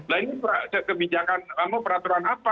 lainnya kebijakan mau peraturan apa